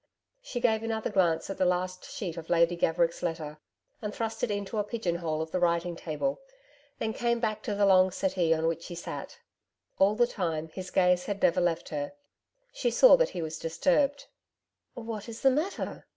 She gave another glance at the last sheet of Lady Gaverick's letter and thrust it into a pigeon hole of the writing table, then came back to the long settee on which he sat. All the time, his gaze had never left her. She saw that he was disturbed. 'What is the matter?'